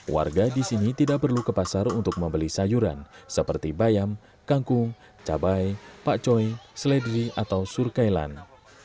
warga di sini tidak perlu ke pasar untuk membeli sayuran seperti bayam kangkung cabang dan banyak lagi